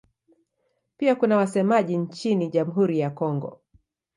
Pia kuna wasemaji nchini Jamhuri ya Kongo.